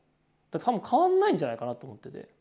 多分変わんないんじゃないかなと思ってて。